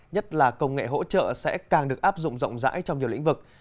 nhất là công nghệ hỗ trợ sẽ càng được áp dụng rộng rãi trong nhiều lĩnh vực